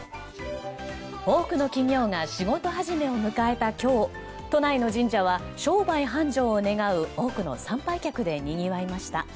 多くの企業が仕事始めを迎えた今日都内の神社は商売繁盛を願う多くの参拝客でにぎわいました。